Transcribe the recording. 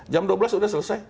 jam dua belas sudah selesai